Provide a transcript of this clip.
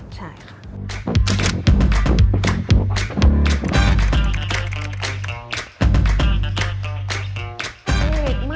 ใช่ค่ะ